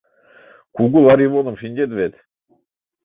Кугу Ларивоным шинчет вет?